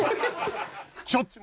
［ちょっと！